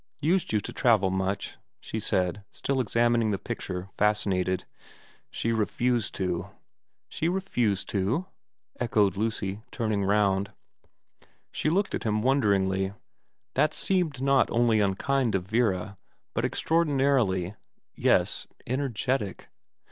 ' Used you to travel much ?' she asked, still examining the picture, fascinated. * She refused to.' ' She refused to ?' echoed Lucy, turning round. She looked at him wonderingly. That seemed not only unkind of Vera, but extraordinarily yes, energetic.